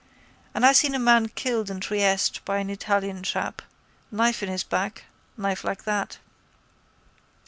—And I seen a man killed in Trieste by an Italian chap. Knife in his back. Knife like that.